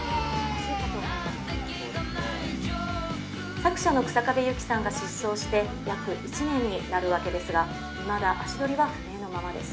作者の日下部由紀さんが失踪して約１年になるわけですがいまだ足取りは不明のままです。